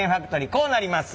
こうなります。